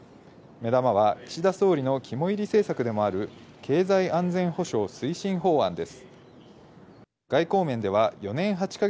目玉は岸田総理の肝いり政策でもある経済安全保障推進法案です。